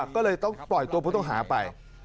ก็เลยต้องปล่อยตัวผู้ต้องหาไป